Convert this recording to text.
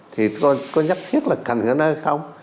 thì tôi có nhắc thiết là thành cái nơi không